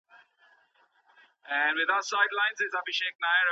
ایا لوی صادروونکي وچ زردالو صادروي؟